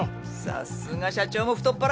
さすが社長も太っ腹。